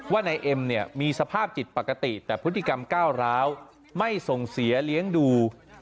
ว่านายเอ็มเนี่ยมีสภาพจิตปกติแต่พฤติกรรมก้าวร้าวไม่ส่งเสียเลี้ยงดู